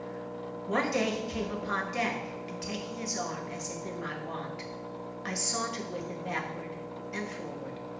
One day he came upon deck, and, taking his arm as had been my wont, I sauntered with him backward and forward.